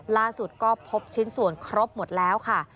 ล่าสุดก็พบชิ้นส่วนครบหมดแล้วค่ะ